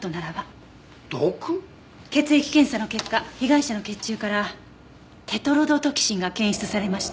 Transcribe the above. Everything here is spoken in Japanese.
血液検査の結果被害者の血中からテトロドトキシンが検出されました。